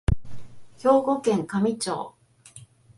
兵庫県香美町